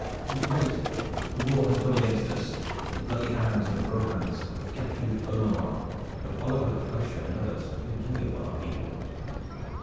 Of late the war has gone against us, and the bloody hands of the Rohans, of Gaptooth Beaumanoir, of Oliver the Flesher and others have been heavy upon our people.